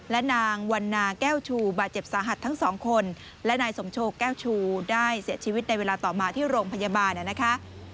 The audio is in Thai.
และนางวันนาแก้วชูบาดเจ็บสาหัสทั้งสองคนและนายสมโชคแก้วชูได้เสียชีวิตในเวลาต่อมาที่โรงพยาบาลนะคะ